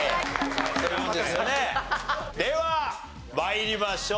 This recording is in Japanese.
では参りましょう。